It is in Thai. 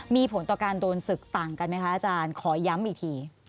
มีผลต่อการโดนศึกต่างกันไหมคะอาจารย์ขอย้ำอีกที